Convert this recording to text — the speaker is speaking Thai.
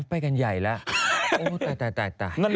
ไปกันใหญ่แล้วตาย